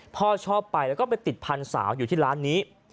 พ่อชอบไปแล้วก็ไปติดพันธุ์สาวอยู่ที่ร้านนี้